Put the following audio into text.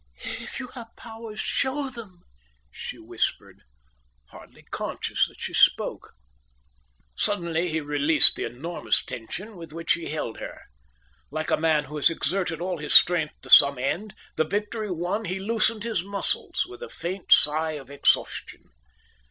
"If you have powers, show them," she whispered, hardly conscious that she spoke. Suddenly he released the enormous tension with which he held her. Like a man who has exerted all his strength to some end, the victory won, he loosened his muscles, with a faint sigh of exhaustion.